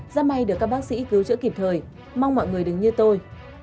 giá may được các bác sĩ cứu trợ kịp thời mong mọi người đừng như tôi